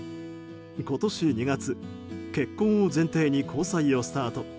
今年２月結婚を前提に交際をスタート。